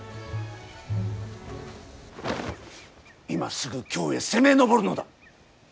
今すぐ京へ攻め上るのだ！